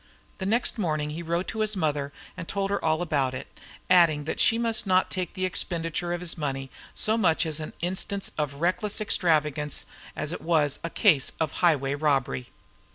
Next morning he wrote to his mother and told her all about it, adding that she must not take the expenditure of his money so much as an instance of reckless extravagance as it was a case of highway robbery.